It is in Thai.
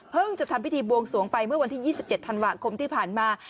จะทำพิธีบวงสวงไปเมื่อวันที่๒๗ธันวาคมที่ผ่านมา